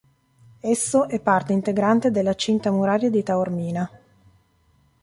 Esso è parte integrante della cinta muraria di Taormina.